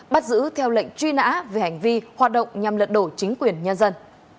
bắt giữ theo lệnh truy nã về hành vi hoạt động nhằm lật đổ chính quyền nhân dân